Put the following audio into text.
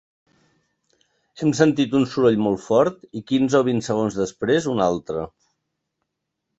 Hem sentit un soroll molt fort i quinze o vint segons després un altre.